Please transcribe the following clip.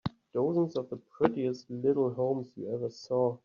Dozens of the prettiest little homes you ever saw.